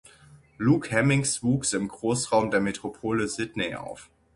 Luke Hemmings wuchs im Großraum der Metropole Sydney auf.